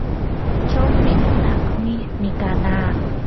chawpi hunaqmi mikanaa.